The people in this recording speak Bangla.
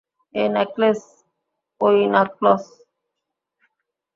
এই নাকলস, ওই নাকলস।